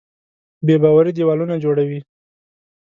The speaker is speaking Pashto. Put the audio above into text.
بېباوري دیوالونه جوړوي.